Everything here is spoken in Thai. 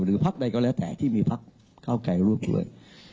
หรือพักใดก็แล้วแต่ที่มีพักก้าวไกลร่วมเลย